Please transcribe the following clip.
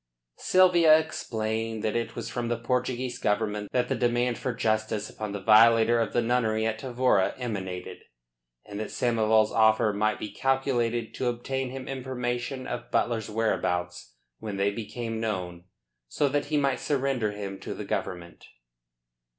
Sylvia explained that it was from the Portuguese Government that the demand for justice upon the violator of the nunnery at Tavora emanated, and that Samoval's offer might be calculated to obtain him information of Butler's whereabouts when they became known, so that he might surrender him to the Government.